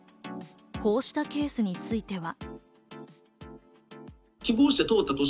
こうしたケースについては。